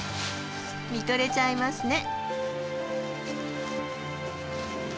見とれちゃいますね。